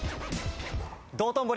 道頓堀。